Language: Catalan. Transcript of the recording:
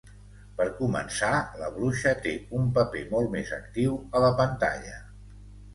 Per començar, la bruixa té un paper molt més actiu a la pantalla.